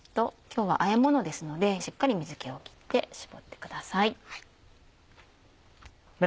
今日はあえものですのでしっかり水気を切って絞ってください。